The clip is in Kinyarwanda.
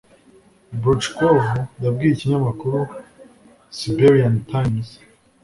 Brouchkov yabwiye ikinyamakuru Siberian Times